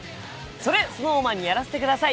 「それＳｎｏｗＭａｎにやらせて下さい」